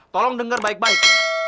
tolong denger baik baik